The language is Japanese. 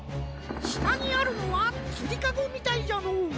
したにあるのはつりかごみたいじゃのう。